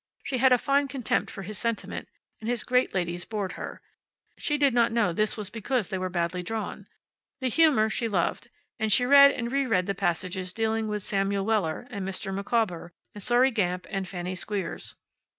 She had a fine contempt for his sentiment, and his great ladies bored her. She did not know that this was because they were badly drawn. The humor she loved, and she read and reread the passages dealing with Samuel Weller, and Mr. Micawber, and Sairey Gamp, and Fanny Squeers.